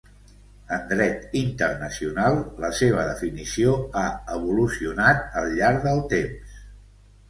En Dret internacional la seva definició ha evolucionat al llarg del temps.